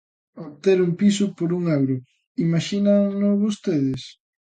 Obter un piso por un euro, imaxínano vostedes?